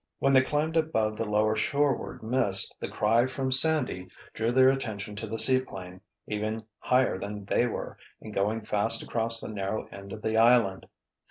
When they climbed above the lower shoreward mist the cry from Sandy drew their attention to the seaplane, even higher than they were, and going fast across the narrow end of the island.